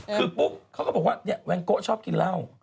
คือปุ๊บเขาก็บอกว่าเนี่ยแวงโกะชอบกินเหล้า